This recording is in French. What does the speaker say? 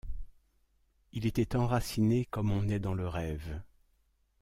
Il était enraciné comme on est dans le rêve.